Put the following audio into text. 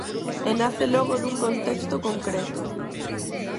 E nace logo dun contexto concreto.